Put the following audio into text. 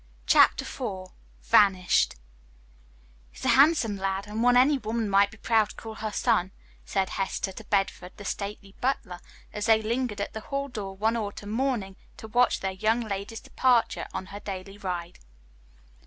Chapter IV VANISHED He's a handsome lad, and one any woman might be proud to call her son," said Hester to Bedford, the stately butler, as they lingered at the hall door one autumn morning to watch their young lady's departure on her daily ride.